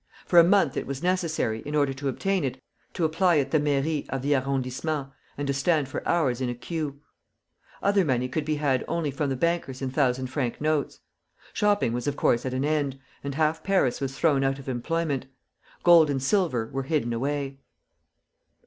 For a month it was necessary, in order to obtain it, to apply at the Mairie of the Arrondissement, and to stand for hours in a queue. Other money could be had only from the bankers in thousand franc notes. Shopping was of course at an end, and half Paris was thrown out of employment. Gold and silver were hidden away.